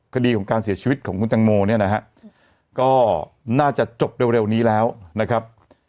คดีของการเสียชีวิตของคุณตังโมเนี่ยนะฮะก็น่าจะจบเร็วนี้แล้วนะครับ